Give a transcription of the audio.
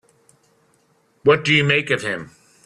What do you make of him?